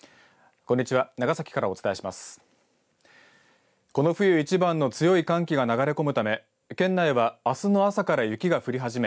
この冬一番の強い寒気が流れ込むため県内はあすの朝から雪が降り始め